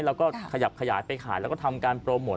แล้วก็ขยับขยายไปขายแล้วก็ทำการโปรโมท